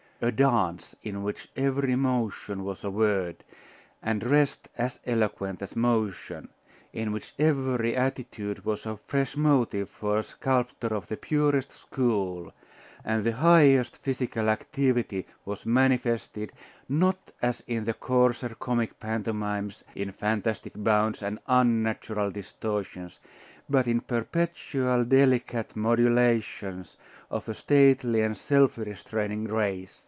A dance, in which every motion was a word, and rest as eloquent as motion; in which every attitude was a fresh motive for a sculptor of the purest school, and the highest physical activity was manifested, not as in the coarser comic pantomimes, in fantastic bounds and unnatural distortions, but in perpetual delicate modulations of a stately and self restraining grace.